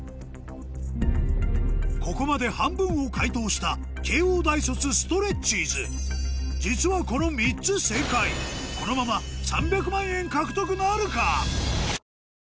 ここまで半分を解答した慶応大卒ストレッチーズ実はこの３つ正解このままお？